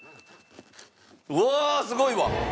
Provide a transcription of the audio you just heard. うわーすごいわ！